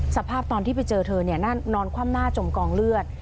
สภาพตอนที่ไปเจอเธอนอนคว่ำหน้าจมกองเลือด